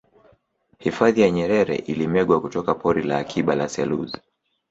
hifadhi ya nyerere ilimegwa kutoka pori la akiba la selous